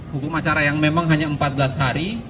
hukum acara yang memang hanya empat belas hari